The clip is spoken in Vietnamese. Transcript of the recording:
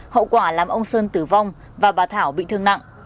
hậu quả làm ông sơn tử vong và bà thảo bị thương nặng